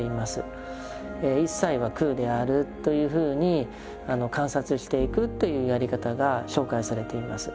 「いっさいは空である」というふうに観察していくというやり方が紹介されています。